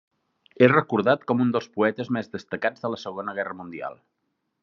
És recordat com un dels poetes més destacats de la Segona Guerra Mundial.